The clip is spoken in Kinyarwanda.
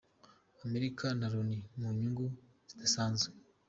Amerika na Loni mu nyungu zidasanzwe.